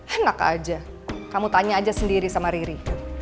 enak aja kamu tanya aja sendiri sama riri